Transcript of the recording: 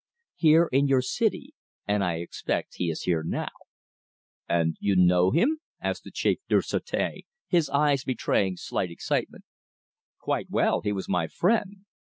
"Here, in your city. And I expect he is here now." "And you know him?" asked the Chef du Sureté, his eyes betraying slight excitement. "Quite well. He was my friend."